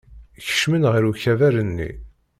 Kecmen ɣer ukabar-nni.